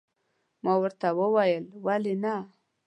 ما ورته وویل، ولې نه.